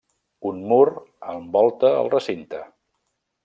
Un mur envolta el recinte.